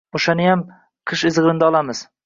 O‘shaniyam qish izg‘irinida olamiz.